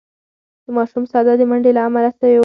د ماشوم ساه د منډې له امله سوې وه.